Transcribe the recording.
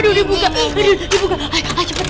aduh dibuka ayo cepet